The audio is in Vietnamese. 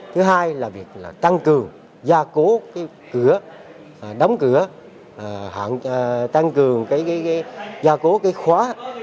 thứ hai là việc là tăng cường gia cố cái cửa đóng cửa tăng cường gia cố cái khóa